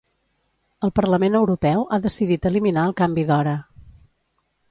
El Parlament Europeu ha decidit eliminar el canvi d'hora.